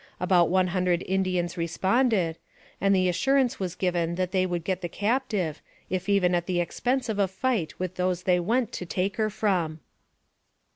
About one hundred Indians responded, and the assurance was given that they would get the captive, if even at the expense of a fight with those they went to take her from.